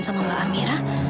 sama mbak amira